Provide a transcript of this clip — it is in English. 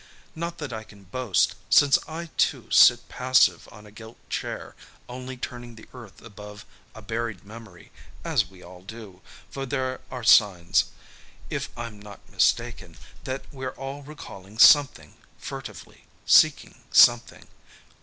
Not that I can boast, since I too sit passive on a gilt chair, only turning the earth above a buried memory, as we all do, for there are signs, if I'm not mistaken, that we're all recalling something, furtively seeking something.